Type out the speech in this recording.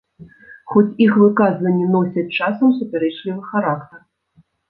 Хоць іх выказванні носяць часам супярэчлівы характар.